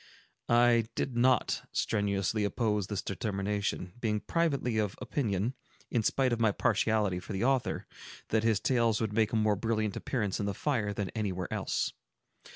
I did not very strenuously oppose this determination, being privately of opinion, in spite of my partiality for the author, that his tales would make a more brilliant appearance in the fire than anywhere else.